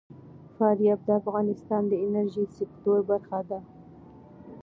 فاریاب د افغانستان د انرژۍ سکتور برخه ده.